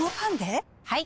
はい！